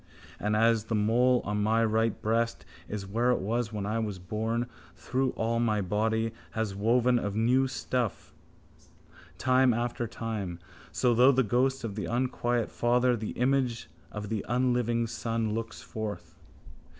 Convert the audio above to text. And as the mole on my right breast is where it was when I was born, though all my body has been woven of new stuff time after time, so through the ghost of the unquiet father the image of the unliving son looks forth.